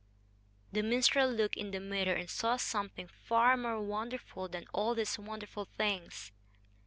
The minstrel looked in the mirror and saw something far more wonderful than all these wonderful things.